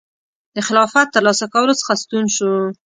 د خلافت ترلاسه کولو څخه ستون شو.